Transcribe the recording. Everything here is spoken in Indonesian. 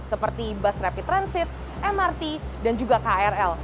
seperti bus rapid transit mrt dan juga krl